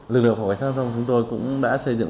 lực lượng phòng quản sát dòng chúng tôi cũng đã xây dựng